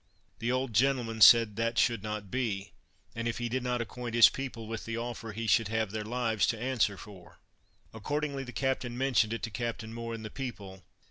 The old gentleman said that should not be, and if he did not acquaint his people with the offer he should have their lives to answer for. Accordingly the captain mentioned it to Captain Moore and the people.